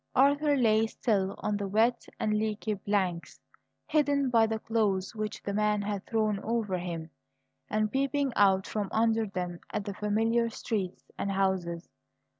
Arthur lay still on the wet and leaky planks, hidden by the clothes which the man had thrown over him, and peeping out from under them at the familiar streets and houses.